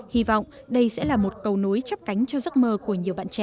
hy vọng đây sẽ là một cầu nối chấp cánh cho giấc mơ của nhiều bạn trẻ